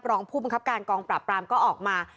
รองผู้บังคับการกองปราบปรามก็ออกมา